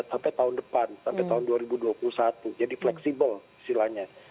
sampai tahun dua ribu dua puluh satu jadi fleksibel istilahnya